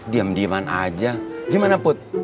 diam diaman aja gimana put